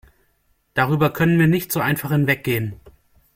Darüber können wir nicht so einfach hinweggehen.